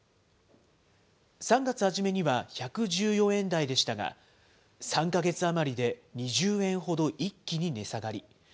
３月初めには１１４円台でしたが、３か月余りで２０円ほど一気に値下がり。